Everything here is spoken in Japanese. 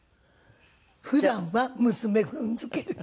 普段は娘踏ん付ける人。